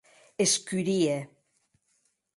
Escurie.